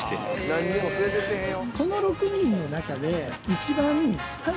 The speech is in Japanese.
［何にも連れてってへんよ］